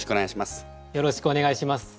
よろしくお願いします。